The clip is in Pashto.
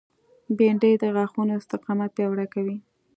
بېنډۍ د غاښونو استقامت پیاوړی کوي